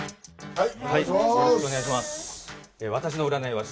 はい。